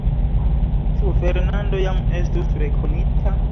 Ĉu Fernando jam estus rekonita?